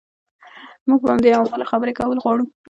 موږ په همدې عواملو خبرې کول غواړو.